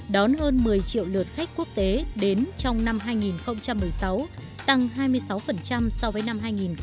đón hơn một mươi triệu lượt khách quốc tế đến trong năm hai nghìn một mươi sáu tăng hai mươi sáu so với năm hai nghìn một mươi bảy